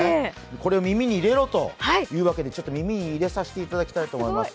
これを耳に入れろというわけで、耳に入れさせていただきたいと思います。